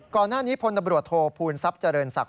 ก่อนหน้านี้พลตำรวจโทษภูมิทรัพย์เจริญศักดิ